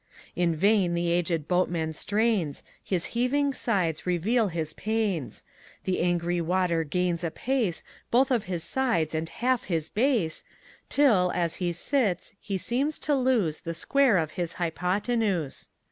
In vain the aged boatman strains, His heaving sides reveal his pains; The angry water gains apace Both of his sides and half his base, Till, as he sits, he seems to lose The square of his hypotenuse.